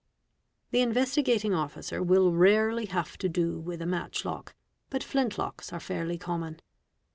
The Investigating Officer will rarely have to do with a matchlock, but flint locks are fairly common.